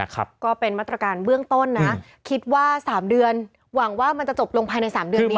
ก็เป็นมาตรการเบื้องต้นนะคิดว่า๓เดือนหวังว่ามันจะจบลงภายใน๓เดือนนี้